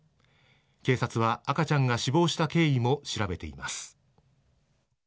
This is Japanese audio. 警察は赤ちゃんが死亡した経緯も調べています。